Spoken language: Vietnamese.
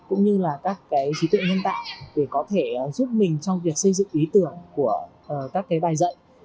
cũng như là các cái trí tuệ nhân tạo để có thể giúp mình trong việc xây dựng ý tưởng của các cái bài dạy